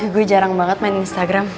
gue jarang banget main instagram